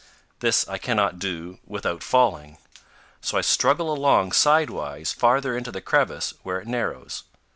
This I cannot do without falling. So I struggle along sidewise farther into the crevice, where it narrows.